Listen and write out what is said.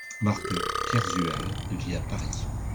Marc Kerzual vit à Paris.